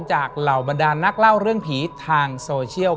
เหล่าบรรดานนักเล่าเรื่องผีทางโซเชียล